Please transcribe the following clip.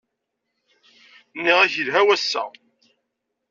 Nniɣ-ak yelha wass-a!